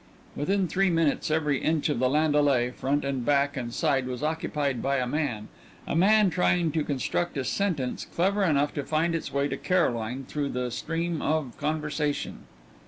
Within three minutes every inch of the landaulet, front, back, and side, was occupied by a man a man trying to construct a sentence clever enough to find its way to Caroline through the stream of conversation.